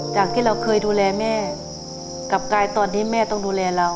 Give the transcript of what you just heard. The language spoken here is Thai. จากที่เราเคยดูแลแม่กลับกายตอนนี้แม่ต้องดูแลเรา